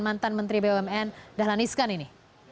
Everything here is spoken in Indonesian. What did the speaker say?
mantan menteri bumn dahlan iskan ini